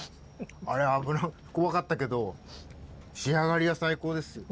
あれ怖かったけど仕上がりは最高です。